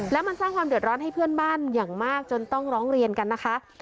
แล้วมันสร้างความเดือดร้อนให้เพื่อนบ้านอย่างมากจนต้องร้องเรียนกันนะคะ